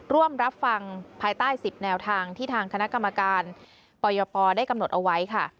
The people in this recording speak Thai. ร่วมรับฟังภายใต้๑๐แนวทางที่ทางคณะกรรมการปยปได้กำหนดเอาไว้ค่ะ